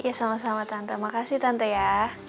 ya sama sama tante makasih tante ya